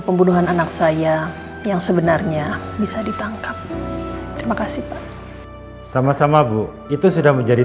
pembunuhan anak saya yang sebenarnya bisa ditangkap terima kasih pak sama sama bu itu sudah menjadi